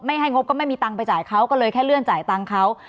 ให้งบก็ไม่มีตังค์ไปจ่ายเขาก็เลยแค่เลื่อนจ่ายตังค์เขา